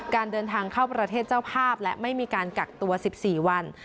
การเดินทางเข้าประเทศเจ้าภาพและไม่มีการกักตัว๑๔วัน